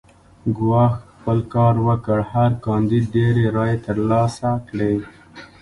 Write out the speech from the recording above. ګواښ خپل کار وکړ هر کاندید ډېرې رایې ترلاسه کړې.